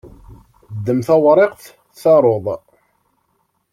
Ddem tawriqt, taruḍ!